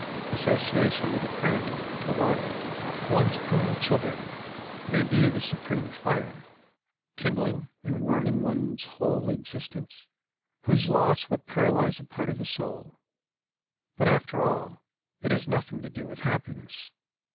Association with a friend, a wife, one's own children may be the supreme fire, kindling and warm ing one's whole existence, whose loss would paralyze a part of the soul, but after all, it has nothing to do with happi ness.